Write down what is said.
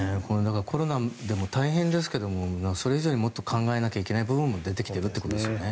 コロナでも大変ですがそれ以上にもっと考えなきゃいけない部分が出てきているということですよね。